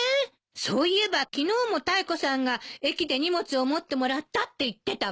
そういえば昨日もタイコさんが駅で荷物を持ってもらったって言ってたわ。